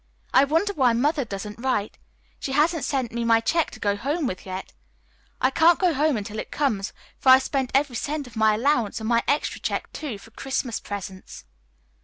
I wonder why Mother doesn't write? She hasn't sent me my check to go home with yet. I can't go home until it comes, for I have spent every cent of my allowance and my extra check, too, for Christmas presents."